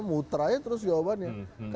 muter aja terus jawabannya